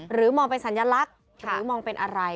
หรือมองเป็นสัญลักษณ์หรือมองเป็นอะไร